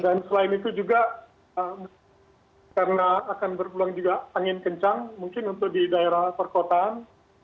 dan selain itu juga karena akan berpeluang juga angin kencang mungkin untuk di daerah perkotaan